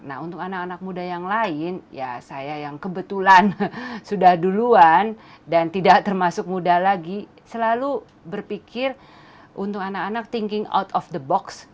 nah untuk anak anak muda yang lain ya saya yang kebetulan sudah duluan dan tidak termasuk muda lagi selalu berpikir untuk anak anak thinking out of the box